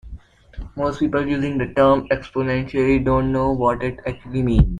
Most people using the term "exponentially" don't know what it actually means.